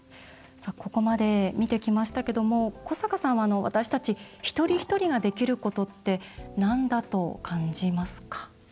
ここまで見てきましたが古坂さんは、私たち一人一人ができることってなんだと感じますか？